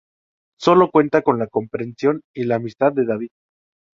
Solo cuenta con la comprensión y la amistad de David.